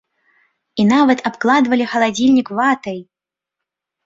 І нават абкладвалі халадзільнік ватай!